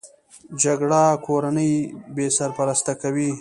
جګړه کورنۍ بې سرپرسته کوي